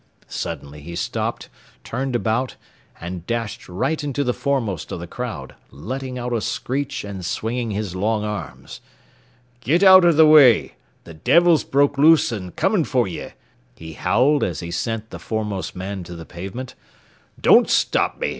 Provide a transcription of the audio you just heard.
Suddenly he stopped, turned about, and dashed right into the foremost of the crowd, letting out a screech and swinging his long arms. "Git out th' way! Th' devil's broke loose an's comin' for ye," he howled as he sent the foremost man to the pavement. "Don't stop me.